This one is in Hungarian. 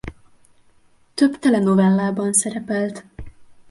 Több telenovellában szerepelt.